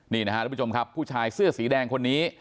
นี่นะครับทุกผู้ชมครับผู้ชายเสื้อสีแดงคนนี้